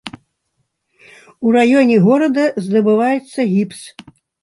У раёне горада здабываецца гіпс.